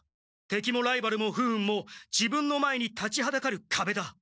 てきもライバルも不運も自分の前に立ちはだかるかべだ。